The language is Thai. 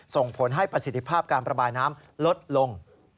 ส่งผลให้ประสิทธิภาพการประบายน้ำลดลง